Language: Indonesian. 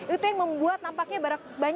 itu yang membuat nampaknya banyak kelebihan